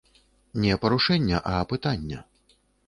Не парушэння, а апытання.